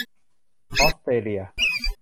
ออสเตรเลีย